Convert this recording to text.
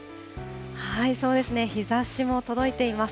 そうですね、日ざしも届いています。